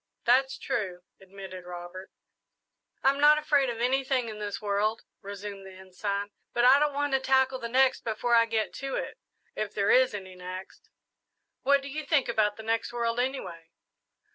"That's true," admitted Robert. "I'm not afraid of anything in this world," resumed the Ensign; "but I don't want to tackle the next before I get to it if there is any next." "What do you think about the next world, anyway?"